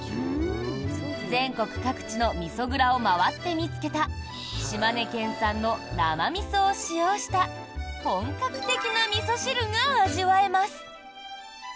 全国各地のみそ蔵を回って見つけた島根県産の生みそを使用した本格的なみそ汁が味わえます。